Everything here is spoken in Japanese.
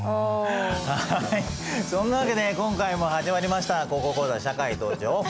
はいそんなわけで今回も始まりました「高校講座社会と情報」。